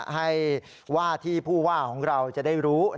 ให้ว่าที่ผู้ว่าของเราจะได้รู้